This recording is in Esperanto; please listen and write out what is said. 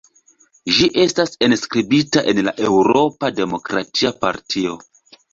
Ĝi estas enskribita en la Eŭropa Demokratia Partio.